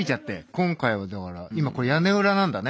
今回はだから今これ屋根裏なんだね。